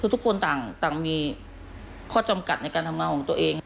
ทุกคนต่างมีข้อจำกัดในการทำงานของตัวเอง